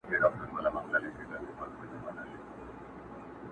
لاري خالي دي له انسانانو!!